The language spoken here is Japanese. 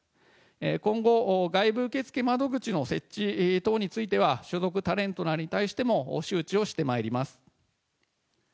今後、外部受付窓口の設置等については、所属タレントらに対しても周知をしてまいります。